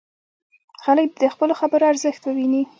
خلک دې د خپلو خبرو ارزښت وویني.